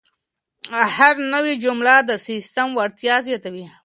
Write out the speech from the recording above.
هره نوې جمله د سیسټم وړتیا زیاتوي.